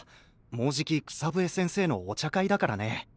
もうじき草笛先生のお茶会だからね。